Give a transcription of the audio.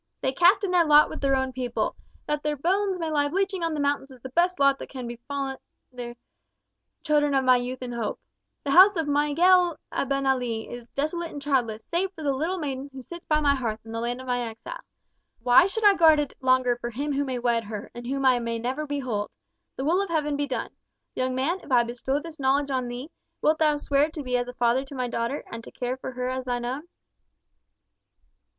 They cast in their lot with their own people, and that their bones may lie bleaching on the mountains is the best lot that can have befallen the children of my youth and hope. The house of Miguel Abenali is desolate and childless, save for the little maiden who sits by my hearth in the land of my exile! Why should I guard it longer for him who may wed her, and whom I may never behold? The will of Heaven be done! Young man, if I bestow this knowledge on thee, wilt thou swear to be as a father to my daughter, and to care for her as thine own?"